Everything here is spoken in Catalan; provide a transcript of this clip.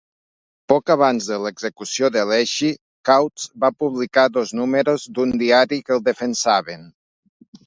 Poc abans de l'execució de Leschi, Kautz va publicar dos números d'un diari que el defensaven.